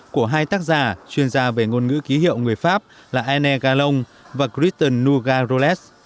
của hai tác giả chuyên gia về ngôn ngữ ký hiệu người pháp là aine galon và christian nougat roulet